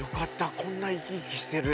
こんな生き生きしてる吉住